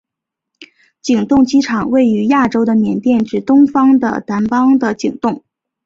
景栋机场位于亚洲的缅甸之东方的掸邦的景栋。